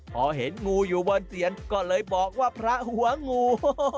พอเห็นงูอยู่บนเตียนก็เลยบอกว่าพระหัวงู